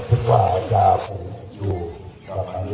ซึ่งบาลงความที่รู้ทำต่อไป